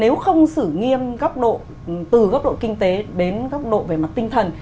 nếu không xử nghiêm từ góc độ kinh tế đến góc độ về mặt tinh thần